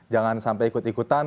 jangan sampai ikut ikutan